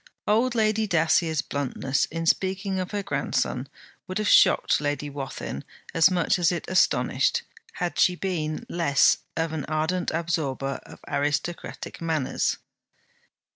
Old Lady Dacier's bluntness in speaking of her grandson would have shocked Lady Wathin as much as it astonished, had she been less of an ardent absorber of aristocratic manners.